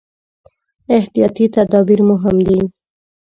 احتیاطي تدابیر مهم دي.